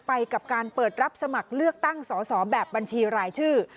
กับการเปิดรับสมัครเลือกตั้งสอสอแบบบัญชีรายชื่อ